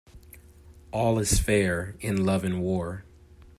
All's fair in love and war.